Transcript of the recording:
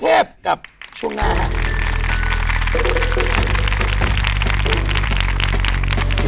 เรียบกับช่วงหน้าฮะ